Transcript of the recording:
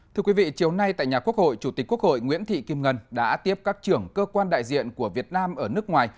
thưa quý vị chiều nay tại nhà quốc hội chủ tịch quốc hội nguyễn thị kim ngân đã tiếp các trưởng cơ quan đại diện của việt nam ở nước ngoài